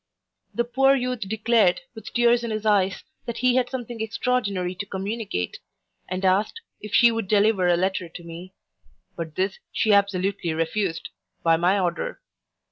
The poor youth declared, with tears in his eyes, that he had something extraordinary to communicate; and asked, if she would deliver a letter to me: but this she absolutely refused, by my order.